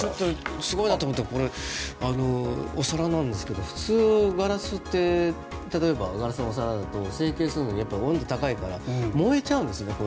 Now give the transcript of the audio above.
すごいなと思ったのはお皿なんですけど普通、ガラスだったら例えばガラスのお皿だと成型するのに温度が高いから燃えちゃうんですね。